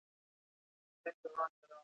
پکورې له کچالو سره زیات خوند کوي